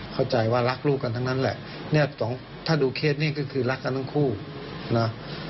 เข้าใจว่ารักลูกกันทั้งนั้นแหละเนี่ยถ้าดูเคสนี้ก็คือรักกันทั้งคู่นะ